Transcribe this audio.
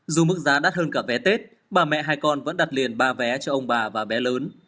dù mức giá đắt hơn cả vé tết bà mẹ hai con vẫn đặt liền ba vé cho ông bà và bé lớn